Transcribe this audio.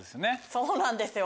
そうなんですよ。